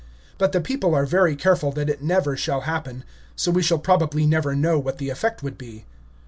But the people are very careful that it never shall happen, so we shall probably never know what the effect would be.